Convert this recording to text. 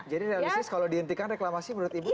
jadi kalau dihentikan reklamasi menurut ibu